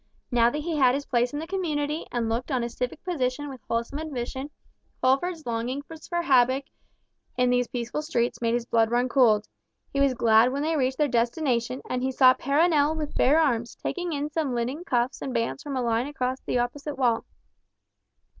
Now that he had his place in the community and looked on a civic position with wholesome ambition, Fulford's longings for havoc in these peaceful streets made his blood run cold. He was glad when they reached their destination, and he saw Perronel with bare arms, taking in some linen cuffs and bands from a line across to the opposite wall.